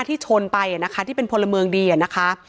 ที่ชนไปนะคะที่เป็นพลเมืองดีอะนะคะ